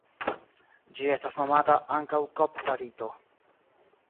Ĝi estas nomata ankaŭ kopta rito.